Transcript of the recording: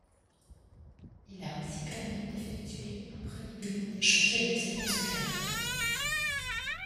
Il a ainsi permis d'effectuer un premier bilan des chantiers lancés dans ce cadre.